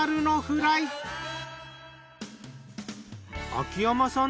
秋山さん